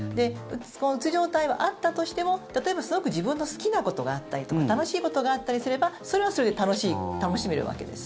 うつ状態はあったとしても例えばすごく自分の好きなことがあったりとか楽しいことがあったりすればそれはそれで楽しめるわけです。